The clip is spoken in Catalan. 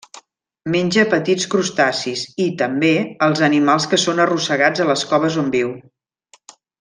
Menja petits crustacis i, també, els animals que són arrossegats a les coves on viu.